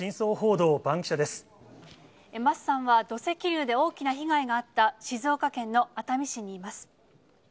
桝さんは、土石流で大きな被害があった静岡県の熱海市にいます。